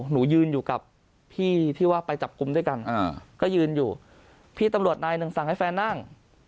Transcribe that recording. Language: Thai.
หนูยืนอยู่กับพี่ที่ว่าไปจับกลุ่มด้วยกันก็ยืนอยู่พี่ตำรวจนายหนึ่งสั่งให้แฟนนั่ง